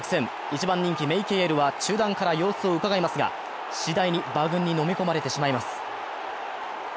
一番人気、メイケイエールは中団から様子をうかがいますが、次第に馬群にのみ込まれてしまいます。